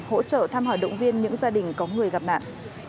hỗ trợ thăm hỏi động viên những gia đình có người gặp nạn